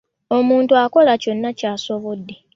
Omuntu akola kyonna kyasobola .